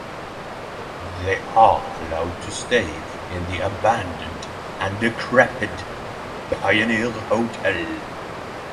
They are allowed to stay in the abandoned and decrepit Pioneer Hotel.